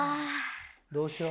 どうしよう？